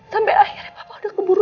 sampai akhirnya bapak udah keburu